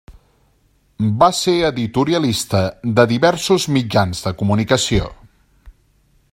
Va ser editorialista de diversos mitjans de comunicació.